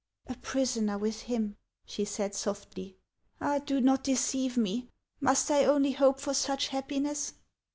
"A prisoner with him!" she said softly. "Ah ! do not deceive me. Must I only hope for such happiness